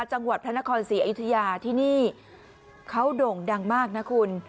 จังหวัดพระนครศรีอยุธยาที่นี่เขาโด่งดังมากนะคุณ